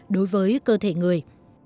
đối với cơ thể người